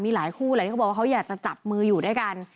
มีหลายคู่แหละที่เขาบอกว่าเขาอยากจะจับมืออยู่ด้วยกัน